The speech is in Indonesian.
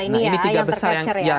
dua tiga ini ya yang tercapture ya